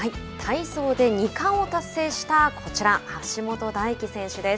体操で二冠を達成したこちら橋本大輝選手です。